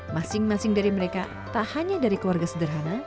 masing masing dari mereka tak hanya dari keluarga sederhana